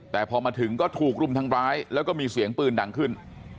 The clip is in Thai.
แต่พอมาถึงก็ถูกรุมทำร้ายแล้วก็มีเสียงปืนดังขึ้น